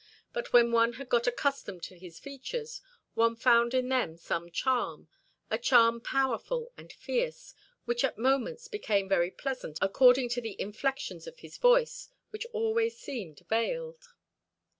But when one had got accustomed to his features, one found in them some charm, a charm powerful and fierce, which at moments became very pleasant according to the inflections of his voice, which always seemed veiled.